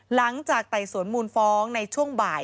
หลังจากไต่สวนมูลฟ้องในช่วงบ่าย